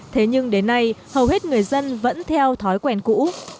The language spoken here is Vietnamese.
thế nhưng đến nay hầu hết người dân vẫn theo thói quen cũ